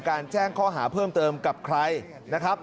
แจ้งข้อหาเพิ่มเติมกับใครนะครับ